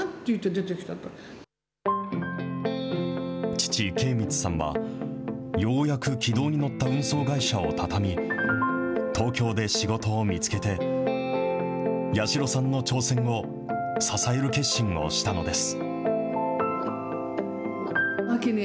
父、敬光さんは、ようやく軌道に乗った運送会社を畳み、東京で仕事を見つけて、八代さんの挑戦を支える決心をしたのです。